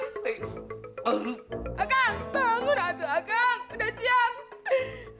akang bangun atuk akang udah siang